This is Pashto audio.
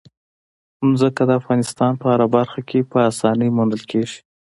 ځمکه د افغانستان په هره برخه کې په اسانۍ موندل کېږي.